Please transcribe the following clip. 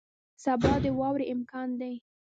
سبا د واورې امکان دی